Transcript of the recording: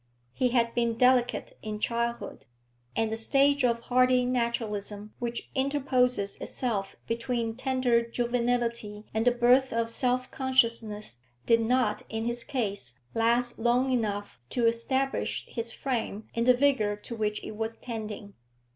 He had been delicate in childhood, and the stage of hardy naturalism which interposes itself between tender juvenility and the birth of self consciousness did not in his case last long enough to establish his frame in the vigour to which it was tending.